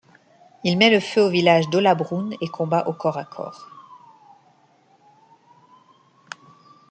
Il met le feu au village d'Hollabrunn et combat au corps à corps.